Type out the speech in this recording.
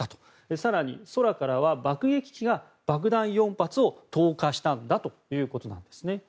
更に空からは爆撃機が爆弾４発を投下したということなんです。